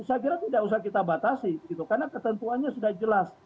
saya kira tidak usah kita batasi karena ketentuannya sudah jelas